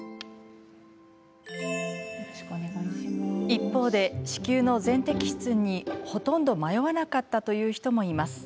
一方で、子宮の全摘出にほとんど迷わなかったという人もいます。